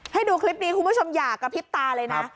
ให้ดูคลิปนี้คุณผู้ชมอย่ากระพริบตาเลยนะ